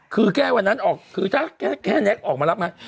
คือแก่วันนั้นออกแก่แน็กออกมารับงาน